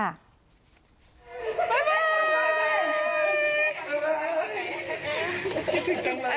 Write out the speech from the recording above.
บ๊ายบาย